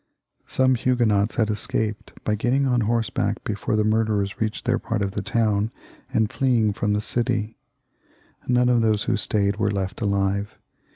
Some Huguenots had escaped by getting on horseback before the murderers reached their part of the town, and fleeing from the city ; none of those who stayed were left aKve.